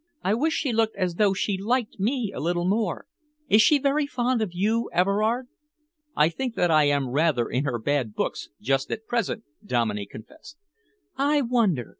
"I wish she looked as though she liked me a little more. Is she very fond of you, Everard?" "I think that I am rather in her bad books just at present," Dominey confessed. "I wonder!